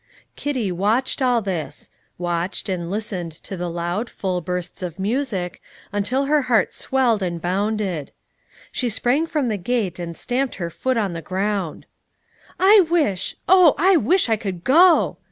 Kitty watched all this, watched, and listened to the loud, full bursts of music, until her heart swelled and bounded. She sprang from the gate, and stamped her foot on the ground. "I wish oh, I wish I could go!"